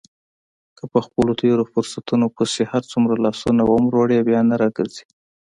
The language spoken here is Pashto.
که په خپلو تېرو فرصتونو پسې هرڅومره لاسونه ومروړې بیا نه را ګرځي.